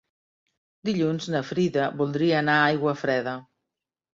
Dilluns na Frida voldria anar a Aiguafreda.